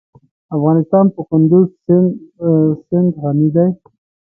افغانستان په کندز سیند غني دی.